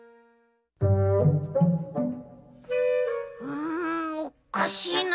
うんおっかしいな。